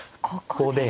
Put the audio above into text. ここで。